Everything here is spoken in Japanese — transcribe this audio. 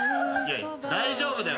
大丈夫だよ。